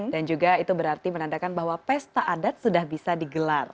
dan juga itu berarti menandakan bahwa pesta adat sudah bisa digelar